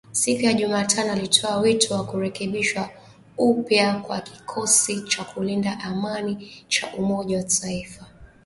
Siku ya Jumatano alitoa wito wa kurekebishwa upya kwa kikosi cha kulinda amani cha Umoja wa Mataifa.